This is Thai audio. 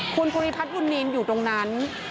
คุณภูริพัฒน์บุญนินอยู่ตรงนั้น